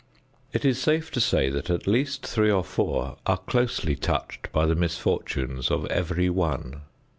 It is safe to say that at least three or four are closely touched by the misfortune of every one.